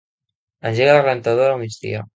Engega la rentadora al migdia.